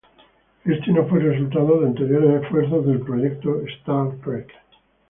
Este no fue el resultado de anteriores esfuerzos del Proyecto Star Trek.